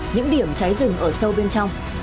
những điểm cháy rừng ở sâu bên trong